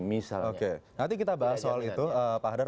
nanti kita bahas soal itu pak hadar